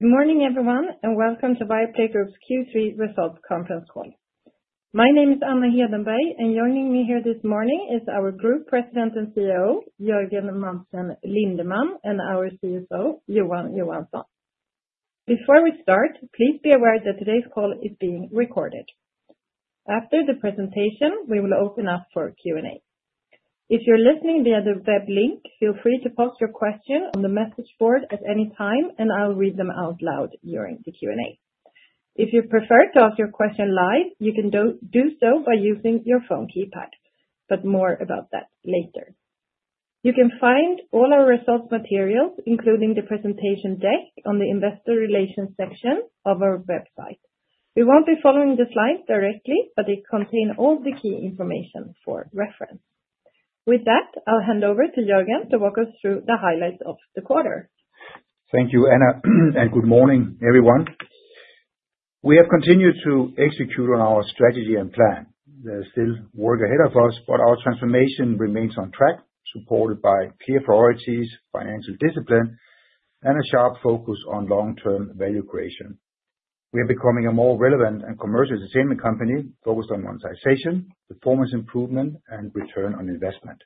Good morning, everyone, and welcome to Viaplay Group's Q3 Results Conference Call. My name is Anna Hedenberg, and joining me here this morning is our Group President and CEO, Jørgen Madsen Lindemann, and our CFO, Johan Johansson. Before we start, please be aware that today's call is being recorded. After the presentation, we will open up for Q&A. If you're listening via the web link, feel free to post your question on the message board at any time, and I'll read them out loud during the Q&A. If you prefer to ask your question live, you can do so by using your phone keypad, but more about that later. You can find all our results materials, including the presentation deck, on the Investor Relations section of our website. We won't be following the slides directly, but they contain all the key information for reference. With that, I'll hand over to Jørgen to walk us through the highlights of the quarter. Thank you, Anna, and good morning, everyone. We have continued to execute on our strategy and plan. There's still work ahead of us, but our transformation remains on track, supported by clear priorities, financial discipline, and a sharp focus on long-term value creation. We are becoming a more relevant and commercial entertainment company focused on monetization, performance improvement, and return on investment.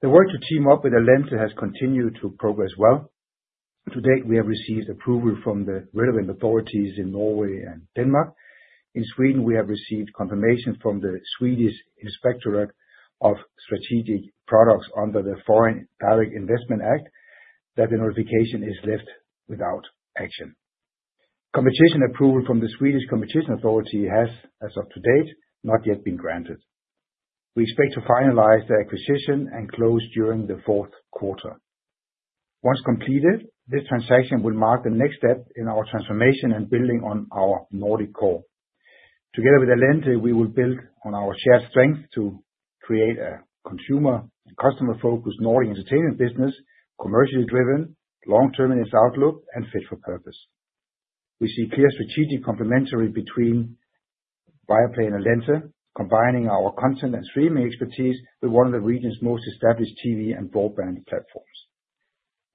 The work to team up with Allente has continued to progress well. To date, we have received approval from the relevant authorities in Norway and Denmark. In Sweden, we have received confirmation from the Swedish Inspectorate of Strategic Products under the Foreign Direct Investment Act that the notification is left without action. Competition approval from the Swedish Competition Authority has, as of today, not yet been granted. We expect to finalize the acquisition and close during the fourth quarter. Once completed, this transaction will mark the next step in our transformation and building on our Nordic core. Together with Allente, we will build on our shared strengths to create a consumer and customer-focused Nordic entertainment business, commercially driven, long-term in its outlook, and fit for purpose. We see clear strategic complementarity between Viaplay and Allente, combining our content and streaming expertise with one of the region's most established TV and broadband platforms.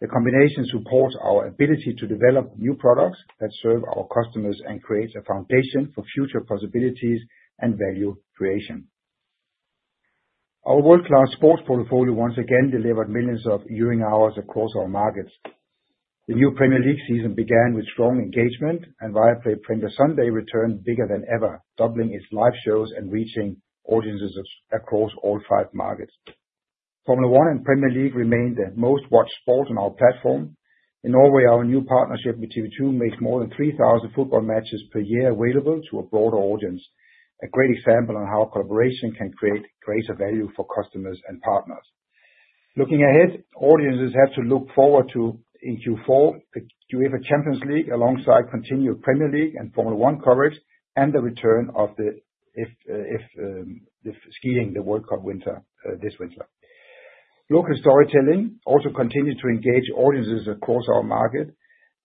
The combination supports our ability to develop new products that serve our customers and creates a foundation for future possibilities and value creation. Our world-class sports portfolio once again delivered millions of viewing hours across our markets. The new Premier League season began with strong engagement, and Viaplay's Premier Sunday returned bigger than ever, doubling its live shows and reaching audiences across all five markets. Formula 1 and Premier League remain the most-watched sports on our platform. In Norway, our new partnership with TV 2 makes more than 3,000 football matches per year available to a broader audience, a great example of how collaboration can create greater value for customers and partners. Looking ahead, audiences have to look forward to, in Q4, the UEFA Champions League alongside continued Premier League and Formula 1 coverage and the return of the skiing World Cup this winter. Local storytelling also continues to engage audiences across our market.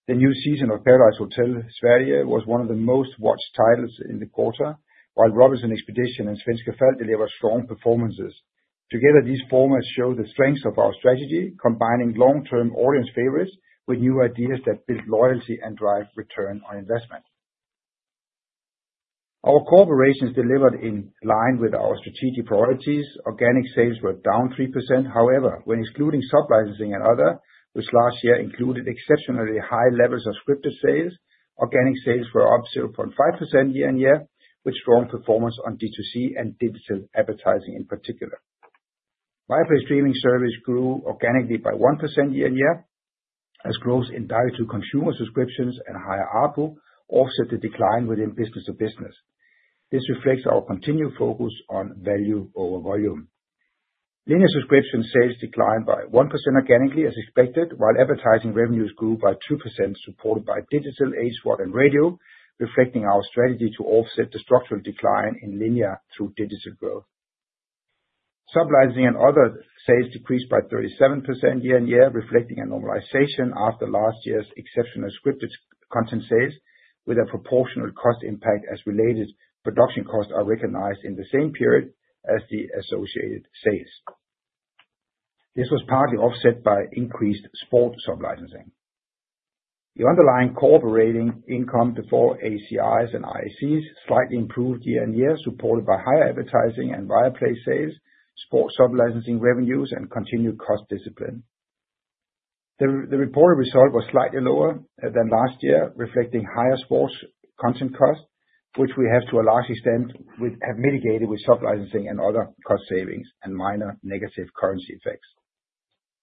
The new season of Paradise Hotel Sverige was one of the most-watched titles in the quarter, while Robinson Expedition and Svenska Fall deliver strong performances. Together, these formats show the strengths of our strategy, combining long-term audience favorites with new ideas that build loyalty and drive return on investment. Our corporations delivered in line with our strategic priorities. Organic sales were down 3%. However, when excluding sub-licensing and other, which last year included exceptionally high levels of scripted sales, organic sales were up 0.5% year-on-year, with strong performance on D2C and digital advertising in particular. Viaplay's streaming service grew organically by 1% year-on-year, as growth in direct-to-consumer subscriptions and higher ARPU offset the decline within business-to-business. This reflects our continued focus on value over volume. Linear subscription sales declined by 1% organically, as expected, while advertising revenues grew by 2%, supported by digital HVOD and radio, reflecting our strategy to offset the structural decline in linear through digital growth. Sub-licensing and other sales decreased by 37% year-on-year, reflecting a normalization after last year's exceptional scripted content sales, with a proportional cost impact as related production costs are recognized in the same period as the associated sales. This was partly offset by increased sport sub-licensing. The underlying operating income before ACIs and IACs slightly improved year-on-year, supported by higher advertising and Viaplay sales, sport sub-licensing revenues, and continued cost discipline. The reported result was slightly lower than last year, reflecting higher sports content costs, which we have, to a large extent, mitigated with sub-licensing and other cost savings and minor negative currency effects.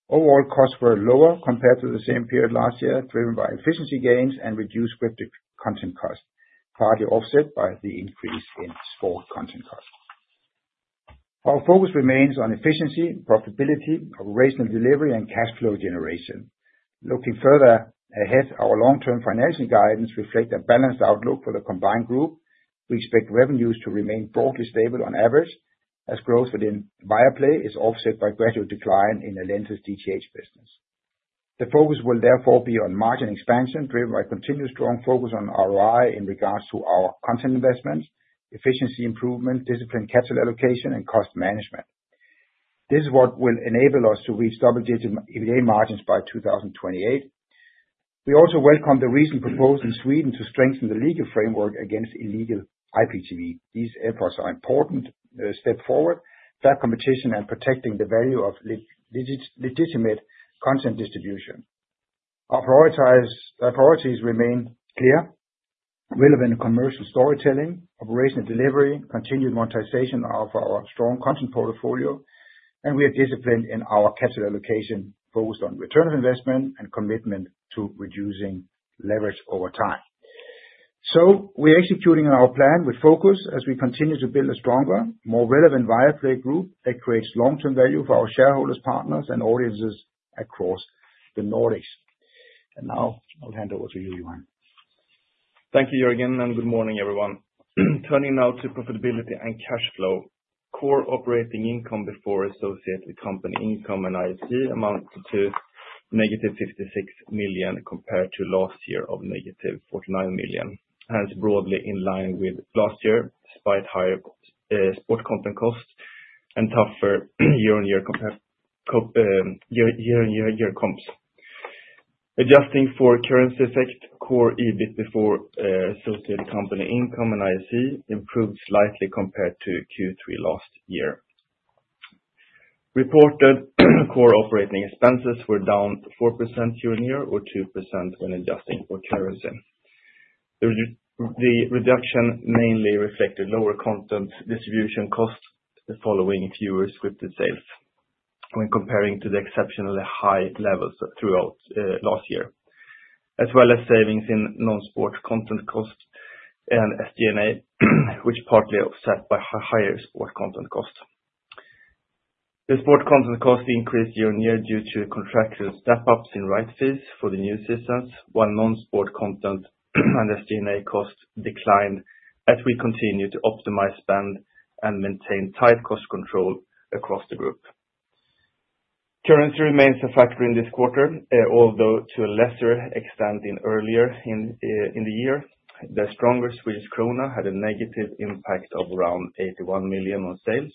Overall, costs were lower compared to the same period last year, driven by efficiency gains and reduced scripted content costs, partly offset by the increase in sport content costs. Our focus remains on efficiency, profitability, operational delivery, and cash flow generation. Looking further ahead, our long-term financial guidance reflects a balanced outlook for the combined group. We expect revenues to remain broadly stable on average, as growth within Viaplay is offset by gradual decline in Allente's DTH business. The focus will therefore be on margin expansion, driven by continued strong focus on ROI in regards to our content investments, efficiency improvement, disciplined capital allocation, and cost management. This is what will enable us to reach double-digit EBITDA margins by 2028. We also welcome the recent proposal in Sweden to strengthen the legal framework against illegal IPTV. These efforts are an important step forward to better competition and protecting the value of legitimate content distribution. Our priorities remain clear: relevant commercial storytelling, operational delivery, continued monetization of our strong content portfolio, and we are disciplined in our capital allocation, focused on return on investment and commitment to reducing leverage over time, so we are executing our plan with focus as we continue to build a stronger, more relevant Viaplay Group that creates long-term value for our shareholders, partners, and audiences across the Nordics. And now, I'll hand over to you, Johan. Thank you, Jørgen, and good morning, everyone. Turning now to profitability and cash flow, core operating income before associated company income and IAC amounted to negative 56 million compared to last year of negative 49 million, hence broadly in line with last year, despite higher sport content costs and tougher year-on-year comps. Adjusting for currency effect, core EBIT before associated company income and IAC improved slightly compared to Q3 last year. Reported core operating expenses were down 4% year-on-year or 2% when adjusting for currency. The reduction mainly reflected lower content distribution costs following fewer scripted sales when comparing to the exceptionally high levels throughout last year, as well as savings in non-sport content costs and SG&A, which are partly offset by higher sport content costs. The sports content costs increased year-on-year due to contractual step-ups in rights fees for the new seasons, while non-sport content and SG&A costs declined as we continue to optimize spend and maintain tight cost control across the group. Currency remains a factor in this quarter, although to a lesser extent than earlier in the year. The stronger Swedish krona had a negative impact of around 81 million on sales,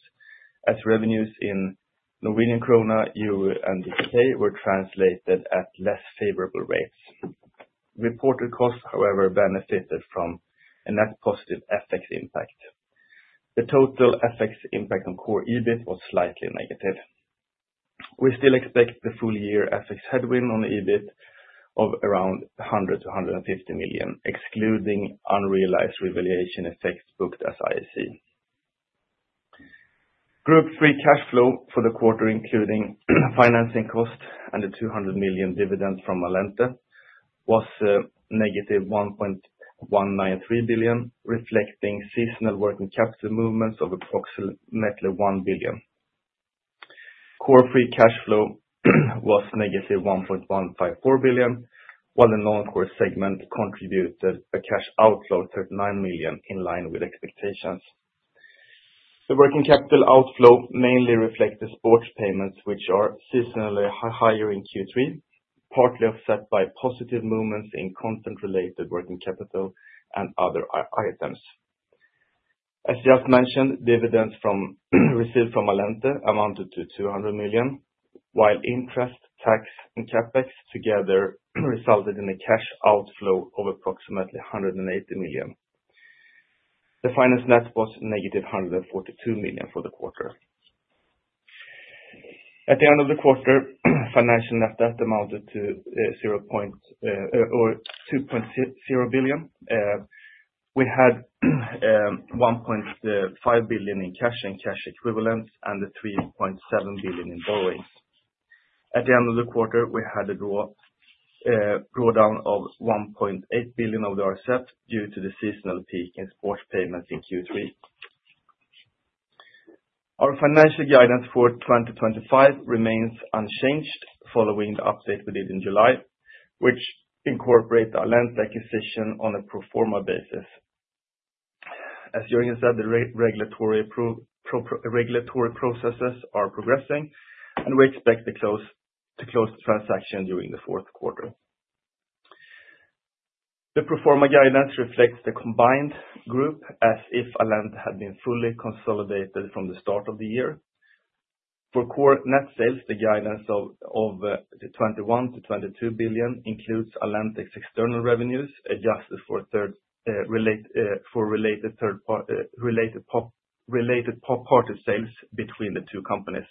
as revenues in Norwegian krone, euro, and DKK were translated at less favorable rates. Reported costs, however, benefited from a net positive FX impact. The total FX impact on core EBIT was slightly negative. We still expect the full-year FX headwind on EBIT of around 100 million-150 million, excluding unrealized revaluation effects booked as IAC. Q3 cash flow for the Group, including financing costs and the 200 million dividend from Allente, was negative 1.193 billion, reflecting seasonal working capital movements of approximately 1 billion. Core free cash flow was negative 1.154 billion, while the non-core segment contributed a cash outflow of 39 million in line with expectations. The working capital outflow mainly reflect At the end of the quarter, we had a drawdown of SEK 1.8 billion of the RCF due to the seasonal peak in sports payments in Q3. Our financial guidance for 2025 remains unchanged following the update we did in July, which incorporates our Allente acquisition on a pro forma basis. As Jørgen said, the regulatory processes are progressing, and we expect to close the transaction during the fourth quarter. The pro forma guidance reflects the combined group as if Allente had been fully consolidated from the start of the year. For core net sales, the guidance of 21-22 billion includes Allente's external revenues adjusted for related third-party sales between the two companies.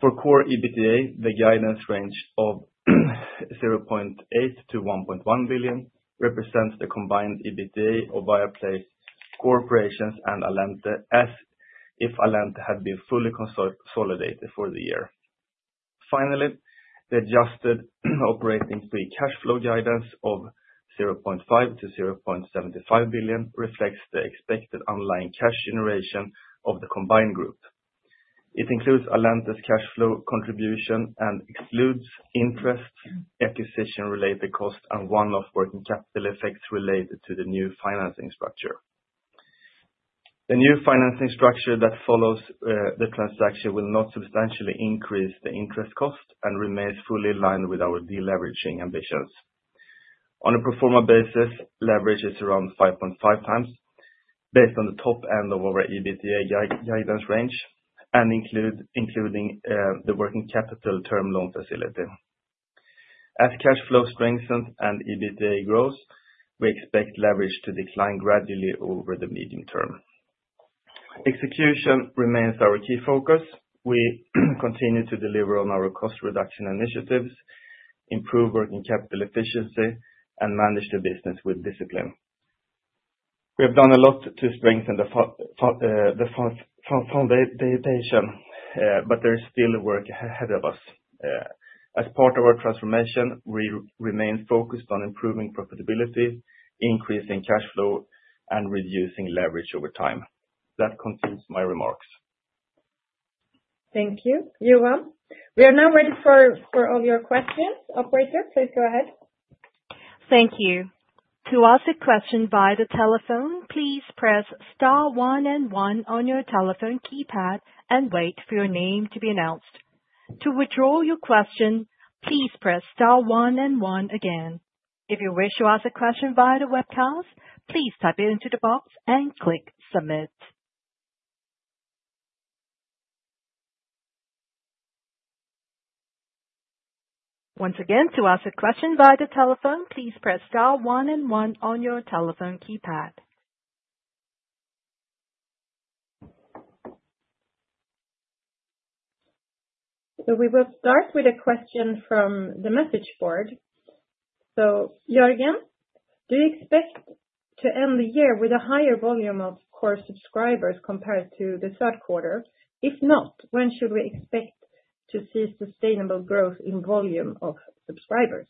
For core EBITDA, the guidance range of 0.8-1.1 billion represents the combined EBITDA of Viaplay's core operations and Allente, as if Allente had been fully consolidated for the year. Finally, the adjusted operating free cash flow guidance of 0.5 billion-0.75 billion reflects the expected underlying cash generation of the combined group. It includes Allente's cash flow contribution and excludes interest, acquisition-related costs, and one-off working capital effects related to the new financing structure. The new financing structure that follows the transaction will not substantially increase the interest cost and remains fully aligned with our deleveraging ambitions. On a pro forma basis, leverage is around 5.5x based on the top end of our EBITDA guidance range and including the working capital term loan facility. As cash flow strengthens and EBITDA grows, we expect leverage to decline gradually over the medium term. Execution remains our key focus. We continue to deliver on our cost reduction initiatives, improve working capital efficiency, and manage the business with discipline. We have done a lot to strengthen the foundation, but there is still work ahead of us. As part of our transformation, we remain focused on improving profitability, increasing cash flow, and reducing leverage over time. That concludes my remarks. Thank you, Johan. We are now ready for all your questions. Operator, please go ahead. Thank you. To ask a question via the telephone, please press star one and one on your telephone keypad and wait for your name to be announced. To withdraw your question, please press star one and one again. If you wish to ask a question via the webcast, please type it into the box and click submit. Once again, to ask a question via the telephone, please press star one and one on your telephone keypad. So we will start with a question from the message board. So Jørgen, do you expect to end the year with a higher volume of core subscribers compared to the third quarter? If not, when should we expect to see sustainable growth in volume of subscribers?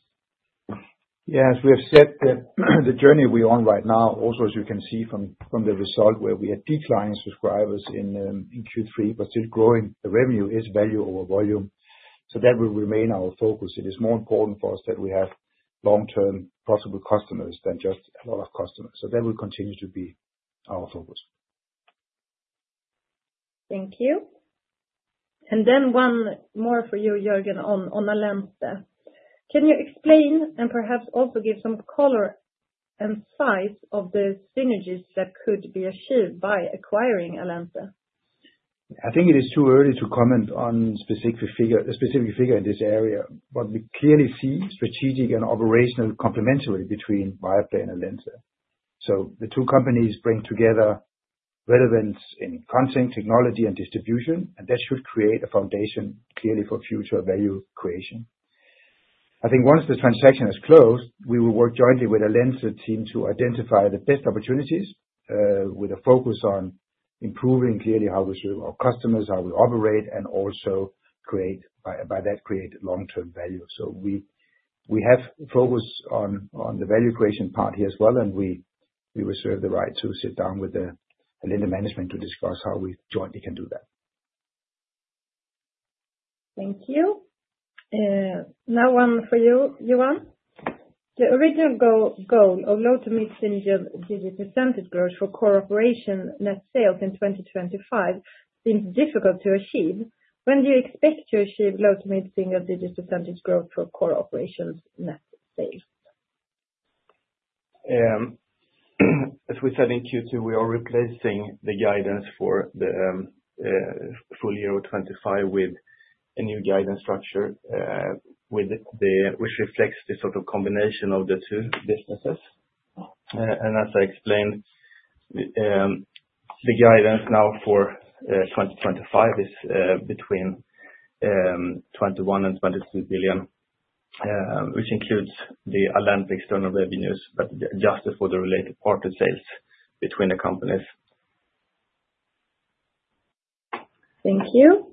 Yes, we have said that the journey we're on right now, also, as you can see from the result where we had declining subscribers in Q3, but still growing the revenue, is value over volume. So that will remain our focus. It is more important for us that we have long-term possible customers than just a lot of customers. So that will continue to be our focus. Thank you. And then one more for you, Jørgen, on Allente. Can you explain and perhaps also give some color and size of the synergies that could be achieved by acquiring Allente? I think it is too early to comment on a specific figure in this area, but we clearly see strategic and operational complementarity between Viaplay and Allente. So the two companies bring together relevance in content, technology, and distribution, and that should create a foundation clearly for future value creation. I think once the transaction is closed, we will work jointly with Allente team to identify the best opportunities with a focus on improving clearly how we serve our customers, how we operate, and also by that create long-term value. So we have focused on the value creation part here as well, and we reserve the right to sit down with Allente management to discuss how we jointly can do that. Thank you. Now one for you, Johan. The original goal of low- to mid-single-digit % growth for core operation net sales in 2025 seems difficult to achieve. When do you expect to achieve low- to mid-single-digit % growth for core operations net sales? As we said in Q2, we are replacing the guidance for the full year of 2025 with a new guidance structure which reflects the sort of combination of the two businesses, and as I explained, the guidance now for 2025 is between 21 billion and 22 billion, which includes the Allente external revenues, but adjusted for the related partner sales between the companies. Thank you.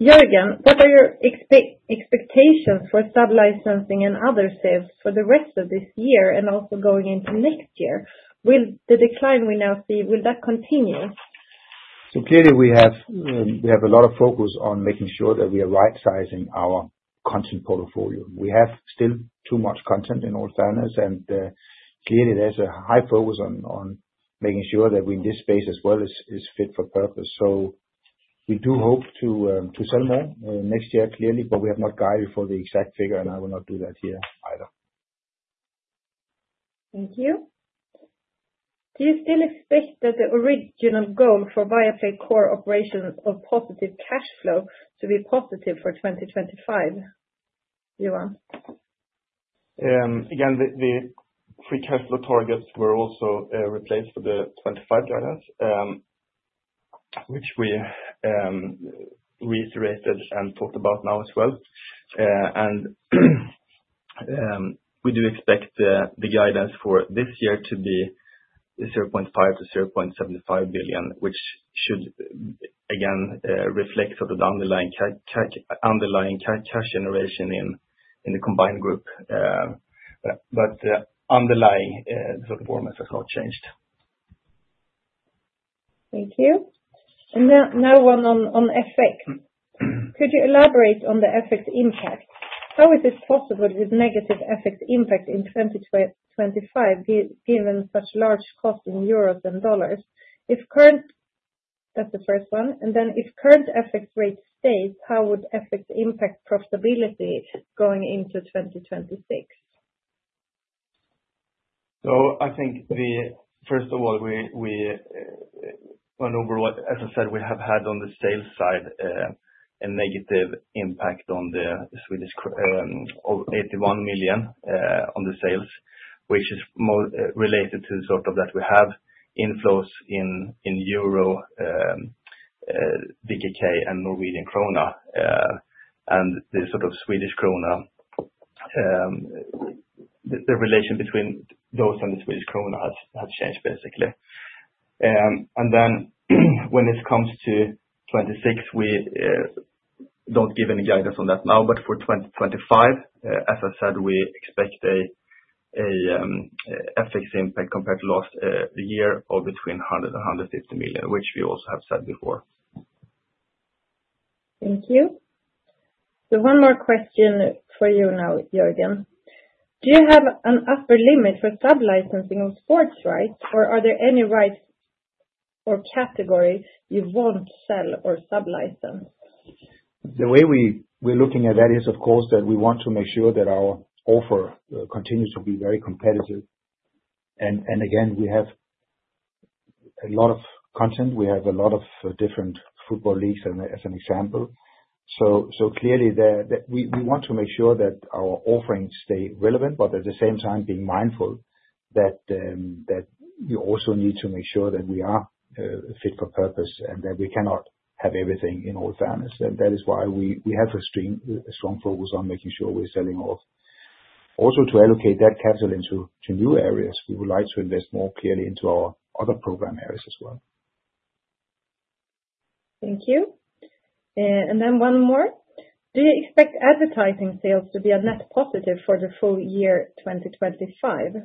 Jørgen, what are your expectations for sub-licensing and other sales for the rest of this year and also going into next year? Will the decline we now see, will that continue? So clearly, we have a lot of focus on making sure that we are right-sizing our content portfolio. We have still too much content in all fairness, and clearly, there's a high focus on making sure that we in this space as well is fit for purpose. So we do hope to sell more next year clearly, but we have not guided for the exact figure, and I will not do that here either. Thank you. Do you still expect that the original goal for Viaplay core operations of positive cash flow to be positive for 2025? Johan? Again, the free cash flow targets were also replaced for the 2025 guidance, which we reiterated and talked about now as well. And we do expect the guidance for this year to be 0.5 billion-0.75 billion, which should again reflect sort of the underlying cash generation in the combined group. But the underlying performance has not changed. Thank you. And now one on FX. Could you elaborate on the FX impact? How is this possible with negative FX impact in 2025, given such large costs in euros and dollars? That's the first one. And then if current FX rate stays, how would FX impact profitability going into 2026? So I think, first of all, as I said, we have had on the sales side a negative impact on the Swedish krona of 81 million on the sales, which is related to sort of that we have inflows in euro, DKK, and Norwegian krone. And the sort of Swedish krona, the relation between those and the Swedish krona has changed basically. And then when it comes to 2026, we don't give any guidance on that now, but for 2025, as I said, we expect an FX impact compared to last year of between 100 million and 150 million, which we also have said before. Thank you, so one more question for you now, Jørgen. Do you have an upper limit for sub-licensing of sports rights, or are there any rights or categories you won't sell or sub-license? The way we're looking at that is, of course, that we want to make sure that our offer continues to be very competitive. And again, we have a lot of content. We have a lot of different football leagues as an example. So clearly, we want to make sure that our offerings stay relevant, but at the same time, being mindful that we also need to make sure that we are fit for purpose and that we cannot have everything in all fairness. And that is why we have a strong focus on making sure we're selling off. Also, to allocate that capital into new areas, we would like to invest more clearly into our other program areas as well. Thank you. And then one more. Do you expect advertising sales to be a net positive for the full year 2025?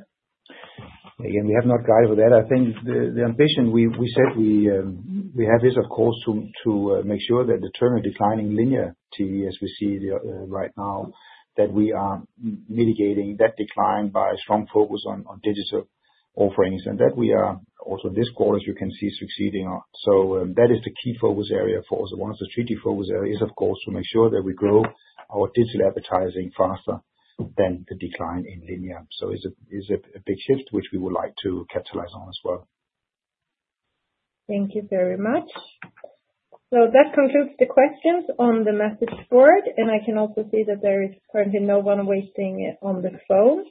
Again, we have not guided for that. I think the ambition we said we have is, of course, to make sure that the term of declining linear TV, as we see right now, that we are mitigating that decline by a strong focus on digital offerings and that we are also this quarter, as you can see, succeeding. So that is the key focus area for us. One of the strategic focus areas is, of course, to make sure that we grow our digital advertising faster than the decline in linear. So it's a big shift, which we would like to capitalize on as well. Thank you very much. So that concludes the questions on the message board, and I can also see that there is currently no one waiting on the phone.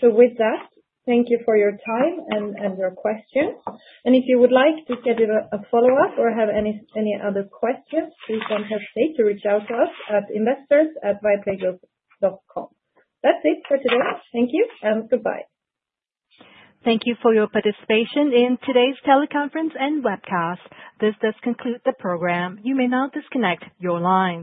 So with that, thank you for your time and your questions. And if you would like to schedule a follow-up or have any other questions, please don't hesitate to reach out to us at investors@viaplaygroup.com. That's it for today. Thank you and goodbye. Thank you for your participation in today's teleconference and webcast. This does conclude the program. You may now disconnect. Your line.